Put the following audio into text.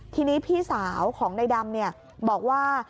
ทีนี้พี่สาวของในดำเนี่ยบอกว่า